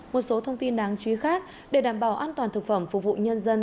một số thông tin đáng chú ý khác để đảm bảo an toàn thực phẩm phục vụ nhân dân